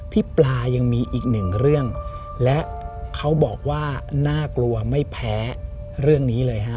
ปลายังมีอีกหนึ่งเรื่องและเขาบอกว่าน่ากลัวไม่แพ้เรื่องนี้เลยฮะ